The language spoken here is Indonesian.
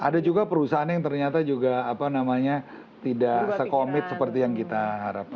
ada juga perusahaan yang ternyata juga tidak sekomit seperti yang kita harapkan